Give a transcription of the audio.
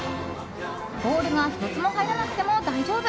ボールが１つも入らなくても大丈夫。